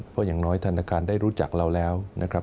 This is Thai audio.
เพราะอย่างน้อยธนาคารได้รู้จักเราแล้วนะครับ